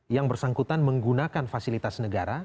yang bersangkutan menggunakan fasilitas negara